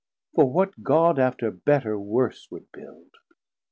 For what God after better worse would build?